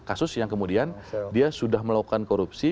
kasus yang kemudian dia sudah melakukan korupsi